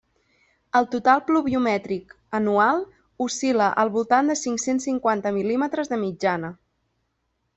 El total pluviomètric anual oscil·la al voltant de cinc-cents cinquanta mil·límetres de mitjana.